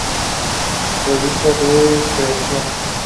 Revista de Creación.